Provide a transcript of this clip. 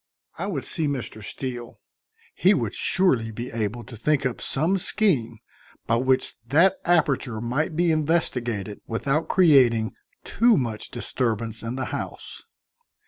I would see Mr. Steele; he would surely be able to think up some scheme by which that aperture might be investigated without creating too much disturbance in the house.